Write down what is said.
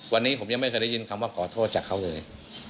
วันนี้ผมยังไม่เคยได้ยินคำว่าขอโทษจากเขาเลย